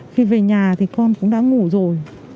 khi về nhà thì con cũng đã ngủ rồi